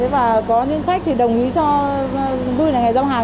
và có những khách thì đồng ý cho một mươi ngày giao hàng